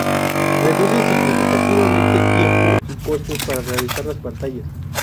Reduce significativamente tiempo y costes para realizar las pantallas.